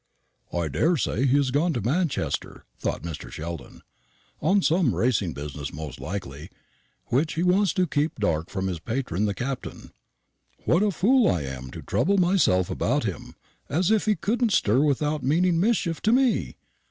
"I daresay he has gone to Manchester," thought Mr. Sheldon "on some racing business most likely, which he wants to keep dark from his patron the Captain. What a fool I am to trouble myself about him, as if he couldn't stir without meaning mischief to me!